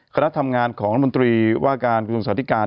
คณะทำงานของมนตรีว่าการคุณสมศาลิการณ์